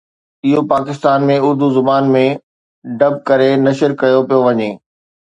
اهو پاڪستان ۾ اردو زبان ۾ ڊب ڪري نشر ڪيو پيو وڃي